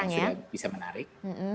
dan sudah banyak yang sudah bisa menarik